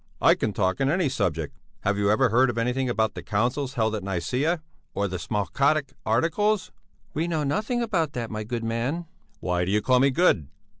I can talk on any subject. Have you ever heard anything about the councils held at Nicæa, or the Smalcaldic Articles?" "We know nothing about that, my good man." "Why do you call me good?